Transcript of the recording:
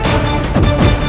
aku mau tahu